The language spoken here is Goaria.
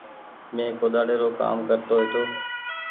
مينٚ ڪوۮاڙي رو ڪآم ڪرتو هيتو